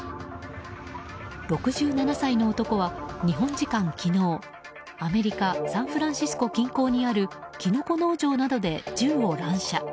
６７歳の男は日本時間昨日アメリカサンフランシスコ近郊にあるキノコ農場などで銃を乱射。